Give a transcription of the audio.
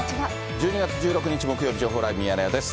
１２月１６日木曜日、情報ライブミヤネ屋です。